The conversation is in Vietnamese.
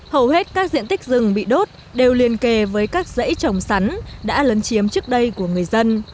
hầu hết các diện tích rừng bị đốt đều liên kề với các dãy trồng sắn đã lấn chiếm trước đây của người dân